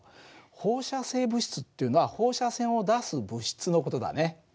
放射性物質っていうのは放射線を出す物質の事だね。